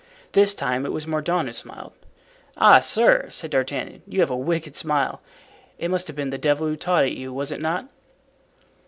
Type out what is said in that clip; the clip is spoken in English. This time it was Mordaunt who smiled. "Ah, sir," said D'Artagnan, "you have a wicked smile. It must have been the devil who taught it you, was it not?"